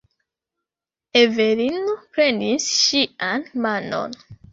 Evelino prenis ŝian manon.